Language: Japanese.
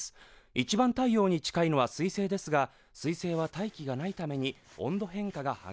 いちばん太陽に近いのは水星ですが水星は大気がないために温度変化が激しい。